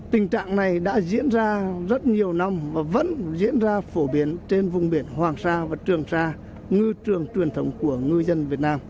tình trạng này đã diễn ra rất nhiều năm và vẫn diễn ra phổ biến trên vùng biển hoàng sa và trường sa ngư trường truyền thống của ngư dân việt nam